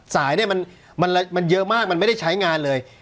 สายเนี่ยมันเยอะมากมันไม่ได้ใช้งานเลย